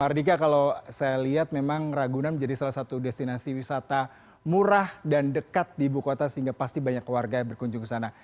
mardika kalau saya lihat memang ragunan menjadi salah satu destinasi wisata murah dan dekat di ibu kota sehingga pasti banyak warga yang berkunjung ke sana